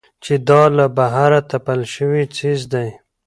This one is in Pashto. چې دا له بهره تپل شوى څيز دى.